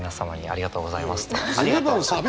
ありがとうございます。